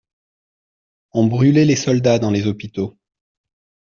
On brûlait les soldats dans les hôpitaux.